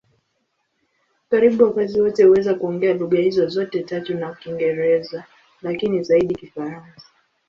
Karibu wakazi wote huweza kuongea lugha hizo zote tatu na Kiingereza, lakini zaidi Kifaransa.